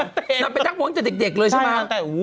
นำไปนักง้วงจากเด็กเลยใช่ไหม